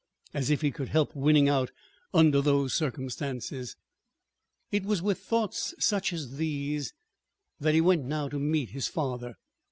As if he could help winning out under those circumstances! It was with thoughts such as these that he went now to meet his father.